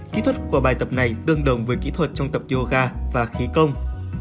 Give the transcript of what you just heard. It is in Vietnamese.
kỹ thuật của bài tập này tương đồng với kỹ thuật trong tập yoga và khí công